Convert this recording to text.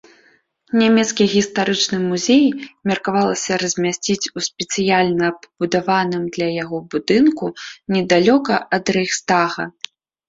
Нямецкі гістарычны музей меркавалася размясціць у спецыяльна пабудаваным для яго будынку недалёка ад рэйхстага.